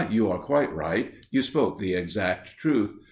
You are quite right; you spoke the exact truth.